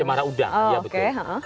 cemara udang iya betul